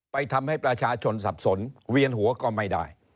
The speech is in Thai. ทำให้ประชาชนสับสนเวียนหัวก็ไม่ได้